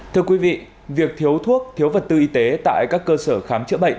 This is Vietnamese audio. thưa quý vị việc thiếu thuốc thiếu vật tư y tế tại các cơ sở khám chữa bệnh